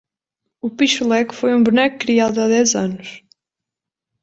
O pixuleco foi um boneco criado há dez anos